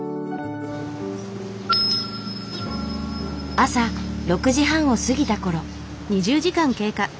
朝６時半を過ぎたころ。